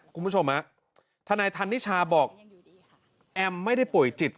คุณผู้ชมฮะทนายธันนิชาบอกแอมไม่ได้ป่วยจิต